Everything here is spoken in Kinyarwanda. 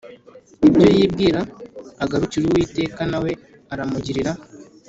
ibyo yibwira agarukire Uwiteka na we aramugirira